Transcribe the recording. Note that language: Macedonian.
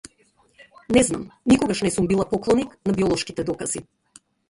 Не знам, никогаш не сум била поклоник на биолошките докази.